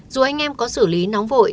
dù anh em có xử lý nóng vội